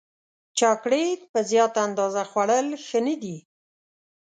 چاکلېټ په زیاته اندازه خوړل ښه نه دي.